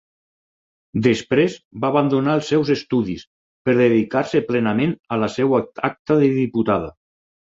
Després va abandonar els seus estudis per dedicar-se plenament a la seva acta de diputada.